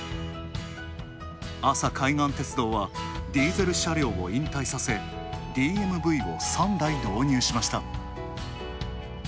阿佐海岸鉄道は、ディーゼル車両を引退させ、ＤＭＶを３台導入しました。